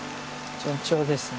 順調ですね。